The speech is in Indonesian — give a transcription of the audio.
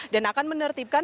dan akan menertibkan